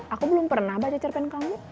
aku belum pernah baca cerpen kamu